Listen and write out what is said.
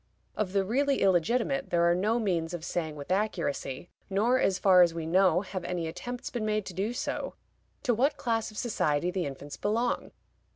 Of the really illegitimate, there are no means of saying with accuracy (nor, as far as we know, have any attempts been made to do so) to what class of society the infants belong.